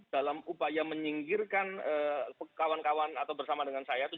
dalam upaya menyingkirkan kawan kawan atau bersama dengan saya